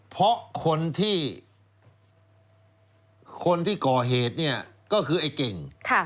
เพราะคนที่คนที่ก่อเหตุเนี่ยก็คือไอ้เก่ง